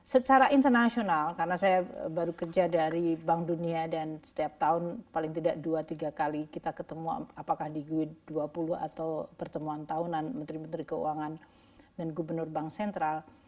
secara internasional karena saya baru kerja dari bank dunia dan setiap tahun paling tidak dua tiga kali kita ketemu apakah di gwi dua puluh atau pertemuan tahunan menteri menteri keuangan dan gubernur bank sentral